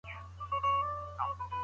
شریعت د ټولني د هوسايني لپاره قوانین لري.